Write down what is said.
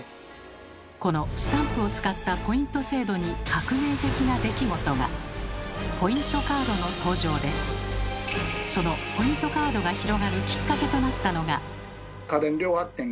このスタンプを使ったポイント制度にそのポイントカードが広がるきっかけとなったのが。